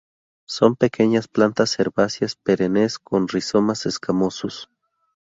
Son pequeñas plantas herbáceas, perennes, con rizomas escamosos.